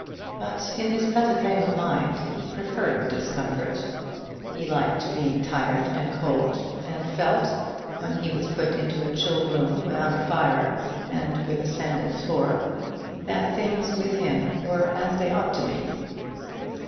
But in his present frame of mind he preferred discomfort. He liked being tired and cold, and felt, when he was put into a chill room, without fire, and with a sanded floor, that things with him were as they ought to be.